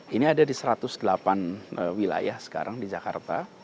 ini ada di satu ratus delapan wilayah sekarang di jakarta